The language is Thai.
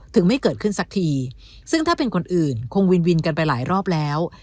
ไม่เกิดขึ้นสักทีซึ่งถ้าเป็นคนอื่นคงวินวินกันไปหลายรอบแล้ว